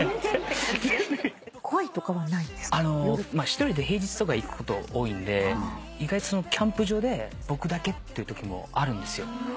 一人で平日とか行くこと多いんで意外とそのキャンプ場で僕だけってときもあるんですよ。